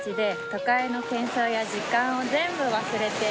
「都会の喧騒や時間を全部忘れて」